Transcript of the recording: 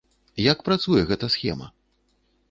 Як працуе гэта схема?